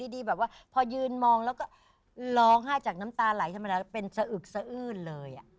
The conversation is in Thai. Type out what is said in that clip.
ช่างงานจากน้ำตาหลายเรื่องจะเป็นซะอึกซะอื้นเลย